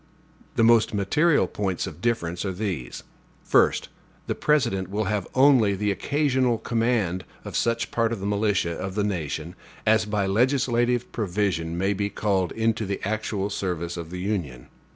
The most material points of difference are these: First. The President will have only the occasional command of such part of the militia of the nation as by legislative provision may be called into the actual service of the Union.